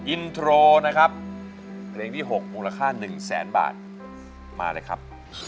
อินโทรนะครับเพลงที่๖มูลค่า๑แสนบาทมาเลยครับ